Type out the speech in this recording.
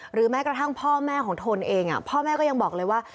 แม้กระทั่งพ่อแม่ของทนเองพ่อแม่ก็ยังบอกเลยว่า